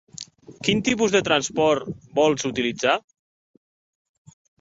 Quin tipus de transport vols utilitzar?